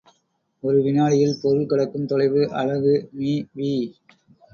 ஒரு வினாடியில் பொருள் கடக்கும் தொலைவு அலகு மீ வி.